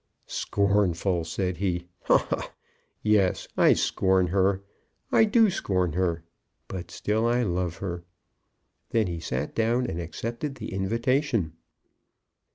"Scornful!" said he. "Ha! ha! Yes; I scorn her; I do scorn her. But still I love her." Then he sat down and accepted the invitation.